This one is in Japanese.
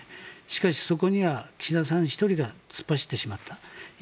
しかしそこには岸田さん１人が突っ走ってしまった。